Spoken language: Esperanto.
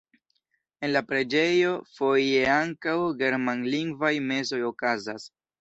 En la preĝejo foje ankaŭ germanlingvaj mesoj okazas.